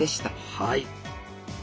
はい。